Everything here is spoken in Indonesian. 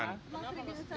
ya nggak ada